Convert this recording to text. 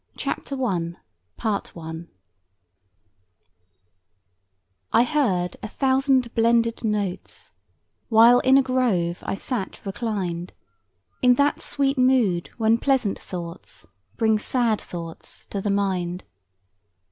CHAPTER I "I heard a thousand blended notes, While in a grove I sate reclined; In that sweet mood when pleasant thoughts Bring sad thoughts to the mind.